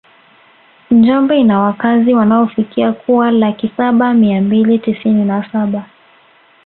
Njombe ina wakazi wanaofikia kuwa laki saba mia mbili tisini na saba